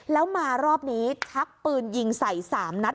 แล้วมารอบนี้ชักปืนยิงใส่๓นัด